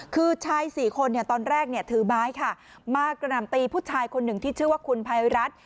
คือชายสี่คนตอนแรกถือไม้ค่ะมากระหน่ำตีผู้ชายคนหนึ่งที่ชื่อว่าคุณภัยรัฐ